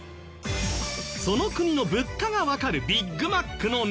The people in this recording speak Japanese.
その国の物価がわかるビッグマックの値段